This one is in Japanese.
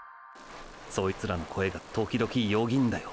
そいつらの声が時々よぎんだよ。